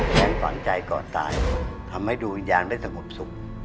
แกกว่าใจก่อนตายทำให้ดูอย่างได้สงบสุข